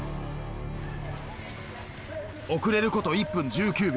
遅れること１分１９秒。